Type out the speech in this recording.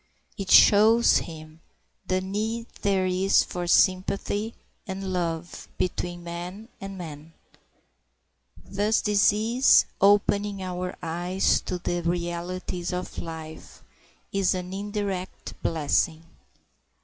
It shows him the need there is for sympathy and love between man and man. Thus disease, opening our eyes to the realities of life, is an indirect blessing.